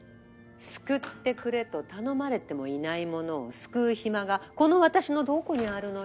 救ってくれと頼まれてもいないものを救う暇がこの私のどこにあるのよ。